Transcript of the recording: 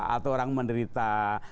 atau orang menderita